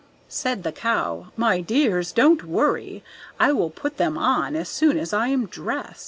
Said the Cow, "My dears, don't worry; I will put them on as soon as I am dressed."